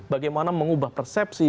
bagaimana mengubah persepsi